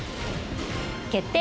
「決定！